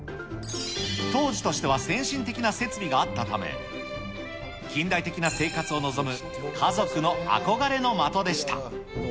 当時としては先進的な設備があったため、近代的な生活を望む家族のあこがれの的でした。